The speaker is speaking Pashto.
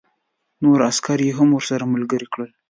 نور عسکر یې هم ورسره ملګري کړل